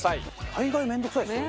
大概面倒くさいですよ。